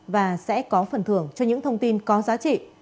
và sẽ có phần thưởng cho những thông tin có giá trị